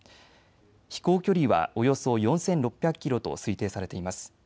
飛行距離はおよそ４６００キロと推定されています。